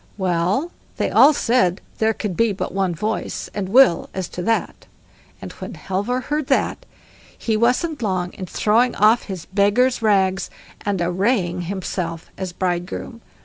Well they all said there could be but one voice and will as to that, and when Halvor heard that he wasn't long in throwing off his beggar's rags, and arraying himself as bridegroom.